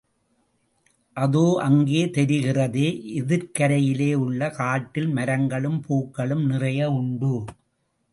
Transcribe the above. அதோ அங்கே தெரிகிறதே, எதிர்க்கரையிலே உள்ள காட்டில் மரங்களும் பூக்களும் நிறைய உண்டு.